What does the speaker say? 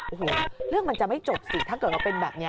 โอ้โหเรื่องมันจะไม่จบสิถ้าเกิดว่าเป็นแบบนี้